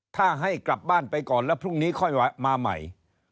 ถ้าให้กลับบ้านไปก่อนแล้วพรุ่งนี้ค่อยมาใหม่